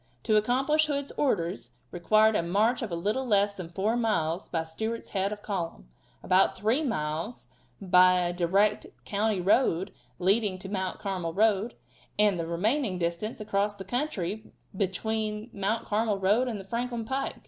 To accomplish Hood's orders required a march of a little less than four miles by Stewart's head of column about three miles by a direct country road leading into the Mount Carmel road, and the remaining distance across the country lying between the Mount Carmel road and the Franklin pike.